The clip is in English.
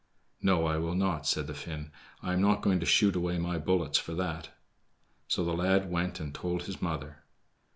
"No, I will not," said the Finn; "I am not going to shoot away my bullets for that." So the lad went and told his mother.